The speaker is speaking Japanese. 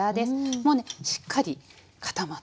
もうねしっかり固まってます。